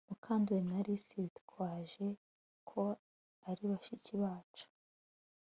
Mukandoli na Alice bitwaje ko ari bashiki bacu